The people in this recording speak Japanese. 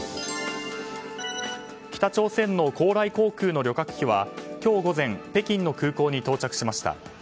北朝鮮の高麗航空の旅客機は今日午前北京の空港に到着しました。